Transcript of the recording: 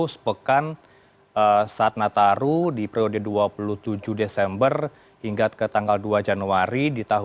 sepekan saat nataru di periode dua puluh tujuh desember hingga ke tanggal dua januari di tahun dua ribu dua puluh